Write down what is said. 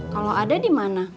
kalau ada dimana